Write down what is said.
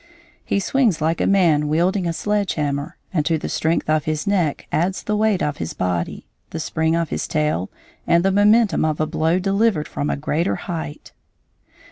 He swings like a man wielding a sledge hammer, and to the strength of his neck adds the weight of his body, the spring of his tail, and the momentum of a blow delivered from a greater height.